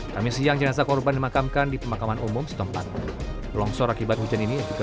kami siang jenazah korban dimakamkan di pemakaman umum setempat longsor akibat hujan ini juga